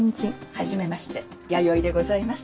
はじめまして弥生でございます。